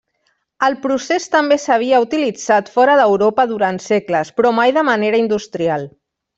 El procés també s'havia utilitzat fora d'Europa durant segles, però mai de manera industrial.